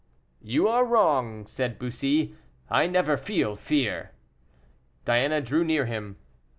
"You are wrong," said Bussy; "I never feel fear." Diana drew near him.